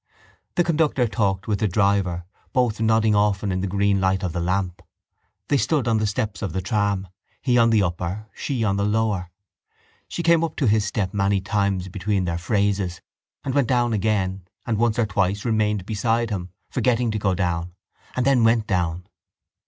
The conductor talked with the driver, both nodding often in the green light of the lamp. They stood on the steps of the tram, he on the upper, she on the lower. She came up to his step many times between their phrases and went down again and once or twice remained beside him forgetting to go down and then went down.